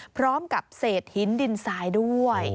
พร้อมกับเศษหินดินทรายด้วย